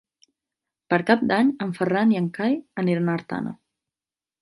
Per Cap d'Any en Ferran i en Cai aniran a Artana.